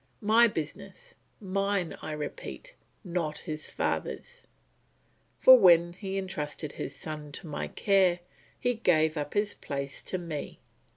My business, mine I repeat, not his father's; for when he entrusted his son to my care, he gave up his place to me.